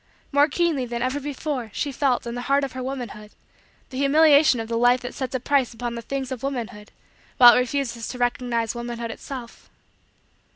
More keenly than ever before, she felt, in the heart of her womanhood, the humiliation of the life that sets a price upon the things of womanhood while it refuses to recognize womanhood itself.